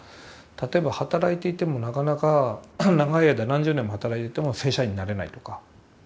例えば働いていてもなかなか長い間何十年も働いてても正社員になれないとか。